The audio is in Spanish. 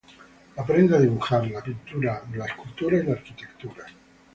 Aprende a dibujar, la pintura, la escultura y la arquitectura.